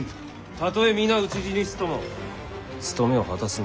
たとえ皆討ち死にすとも務めを果たすのが武士だ。